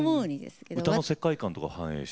それ歌の世界観とか反映して？